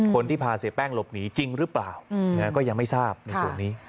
คนที่พาเสียแป้งหลบหนีจริงหรือเปล่าก็ยังไม่ทราบในส่วนนี้